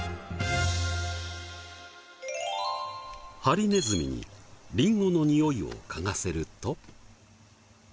ハリネズミにリンゴのにおいをかがせると。